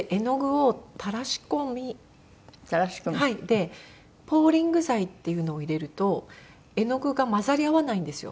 でポーリング剤っていうのを入れると絵の具が混ざり合わないんですよ。